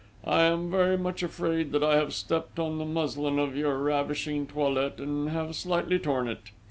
I am very much afraid that I have stepped on the muslin of your ravishing toilette and have slightly torn it!"